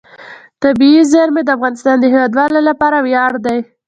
طبیعي زیرمې د افغانستان د هیوادوالو لپاره ویاړ دی.